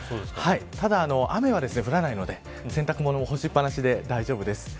ただ雨は降らないので洗濯物も干しっぱなしで大丈夫です。